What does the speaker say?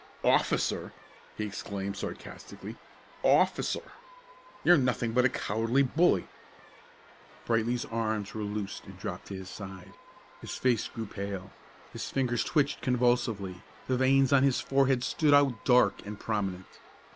"Officer!" he exclaimed sarcastically; "officer! You're nothing but a cowardly bully!" Brightly's arms were loosed and dropped to his side. His face grew pale. His fingers twitched convulsively, the veins on his forehead stood out dark and prominent.